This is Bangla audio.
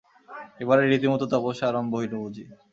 এবারে রীতিমত তপস্যা আরম্ভ হইল বুঝি!